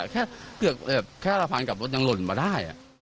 แค่ระพานกับรถยังหล่นบ้าได้